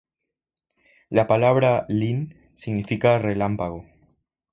La palabra "Lyn" significa relámpago.